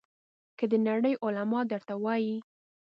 که د نړۍ علما درته وایي.